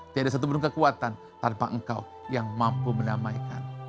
tiada satu penuh kekuatan tanpa engkau yang mampu menamaikan